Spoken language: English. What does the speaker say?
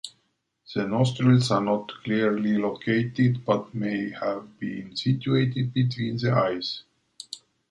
The nostrils are not clearly located, but may have been situated between the eyes.